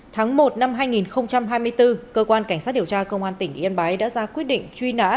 tháng một năm hai nghìn hai mươi bốn cơ quan cảnh sát điều tra công an tỉnh yên bái đã ra quyết định truy nã